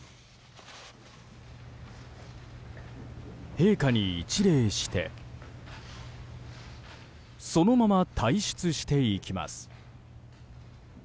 陛下に一礼してそのまま退出していきます。